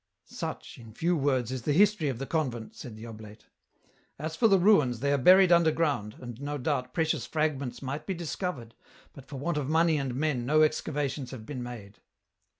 " Such, in few words, is the history of the convent," said the oblate. " As for the ruins they are buried underground, and no doubt precious fragments might be discovered, but for want of money and men no excavations have iDcen made.